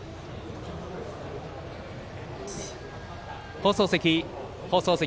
放送席、放送席。